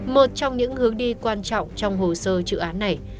một trong những hướng đi quan trọng trong hồ sơ dự án này